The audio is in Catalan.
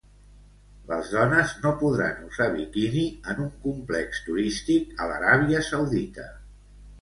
Les dones no podran usar biquini en un complex turístic a l'Aràbia Saudita.